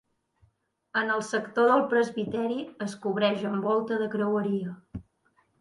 En el sector del presbiteri es cobreix amb volta de creueria.